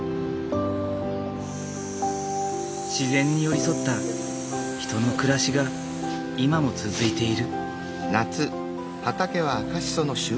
自然に寄り添った人の暮らしが今も続いている。